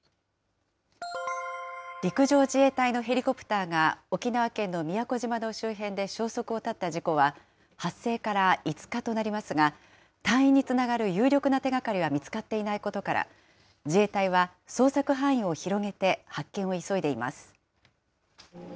陸上自衛隊のヘリコプターが、沖縄県の宮古島の周辺で消息を絶った事故は、発生から５日となりますが、隊員につながる有力な手がかりは見つかっていないことから、自衛隊は捜索範囲を広げて、発見を急いでいます。